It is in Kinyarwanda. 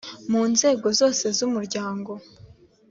mu nzego zose z umuryango